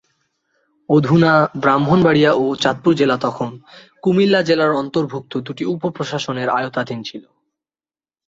অধুনা ব্রাহ্মণবাড়িয়া ও চাঁদপুর জেলা তখন কুমিল্লা জেলার অন্তর্ভুক্ত দুটি উপ প্রশাসনের আওতাধীন ছিল।